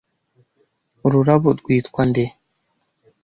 Ururabo rwitwa nde?